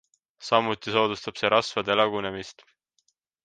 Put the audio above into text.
Samuti soodustab see rasvade lagunemist.